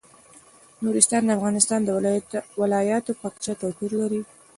نورستان د افغانستان د ولایاتو په کچه توپیر لري.